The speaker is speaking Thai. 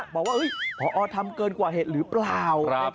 บอกว่าพอทำเกินกว่าเหตุหรือเปล่า